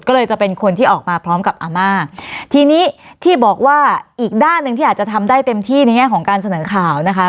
ก็เลยจะเป็นคนที่ออกมาพร้อมกับอาม่าทีนี้ที่บอกว่าอีกด้านหนึ่งที่อาจจะทำได้เต็มที่ในแง่ของการเสนอข่าวนะคะ